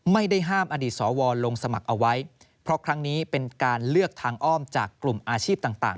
ไม่ได้ห้ามอดีตสวลงสมัครเอาไว้เพราะครั้งนี้เป็นการเลือกทางอ้อมจากกลุ่มอาชีพต่าง